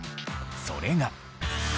それが。